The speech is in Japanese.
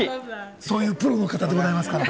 そういうプロの方でございますから。